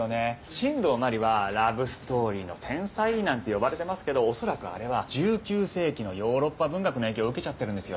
新道真理はラブストーリーの天才なんて呼ばれてますけど恐らくあれは１９世紀のヨーロッパ文学の影響を受けちゃってるんですよ。